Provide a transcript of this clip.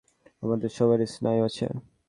আমাদের সবারই স্নায়ু আছে।